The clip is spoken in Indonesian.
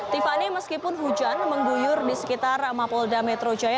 tiffany meskipun hujan mengguyur di sekitar mapolda metro jaya